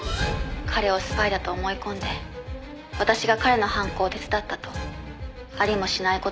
「彼をスパイだと思い込んで私が彼の犯行を手伝ったとありもしない事を言われたからです」